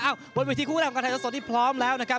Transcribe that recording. อ้าวบนเวทีคู่แรกของกันไทยส่วนที่พร้อมแล้วนะครับ